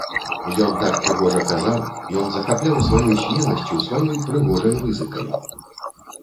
Ён так прыгожа казаў, ён захапляў сваёй смеласцю, сваёй прыгожай рызыкай.